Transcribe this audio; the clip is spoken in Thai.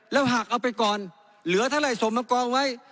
แล้วหากเอาไปก่อนเหลือเท่าไหร่ส่งมากองไว้